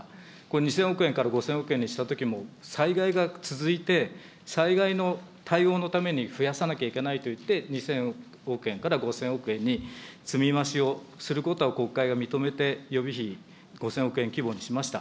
２０００億円から５０００億円にしたときも、災害が続いて、災害の対応のために増やさなきゃいけないといって、２０００億円から５０００億円に積み増しをすることを国会が認めて、予備費、５０００億円規模にしました。